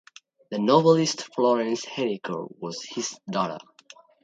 The novelist Florence Henniker was his daughter.